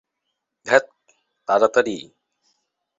ধ্যাত, তাড়াতাড়ি!